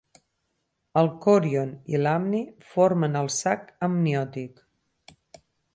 El còrion i l'amni formen el sac amniòtic.